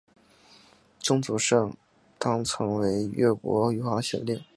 曾祖盛珰曾为吴越国余杭县令。